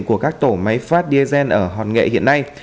của các tổ máy phát diesel ở hòn nghệ hiện nay